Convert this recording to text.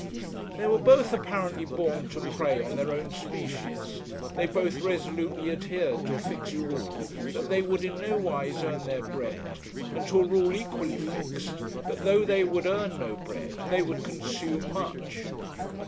They were both apparently born to prey on their own species; they both resolutely adhered to a fixed rule that they would in nowise earn their bread, and to a rule equally fixed that, though they would earn no bread, they would consume much.